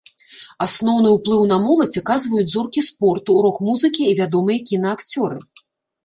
Асноўны ўплыў на моладзь аказваюць зоркі спорту, рок-музыкі і вядомыя кінаакцёры.